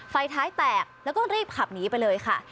ไฟท้ายแตกแล้วก็รีบขับหนีไปเลยค่ะ